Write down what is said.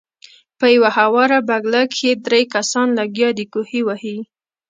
پۀ يوه هواره بګله کښې درې کسان لګيا دي کوهے وهي